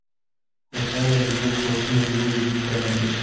هوساینه د دوو قوتونو له لوري ټکنۍ شوه.